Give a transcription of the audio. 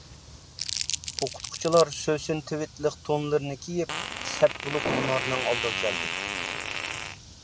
ئوقۇتقۇچىلار سۆسۈن تىۋىتلىق تونلىرىنى كىيىپ، سەپ بولۇپ مۇنارنىڭ ئالدىغا كەلدى.